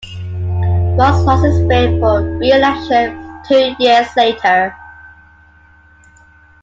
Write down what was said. Ross lost his bid for re-election two years later.